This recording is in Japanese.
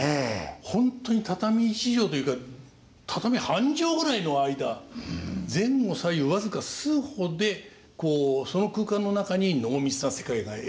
ホントに畳一畳というか畳半畳ぐらいの間前後左右僅か数歩でその空間の中に濃密な世界が描かれている。